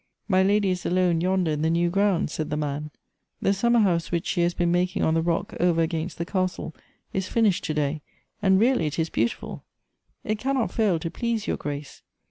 " My lady is alone yonder in the new grounds," said the man; "the summer house which she has been mak ing on the ]'0ck over against the castle is finished to day, and really it is beautiful. It cannot fail to please your grace.